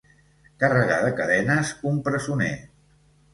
Carregar de cadenes un presoner.